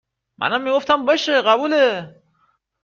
منم میگفتم باشه قبوله